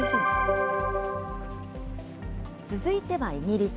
続いてはイギリス。